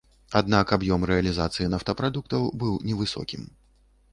Аднак аб'ём рэалізацыі нафтапрадуктаў быў невысокім.